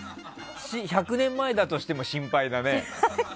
１００年前だとしても心配だね。